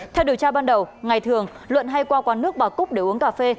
theo điều tra ban đầu ngày thường luận hay qua quán nước bà cúc để uống cà phê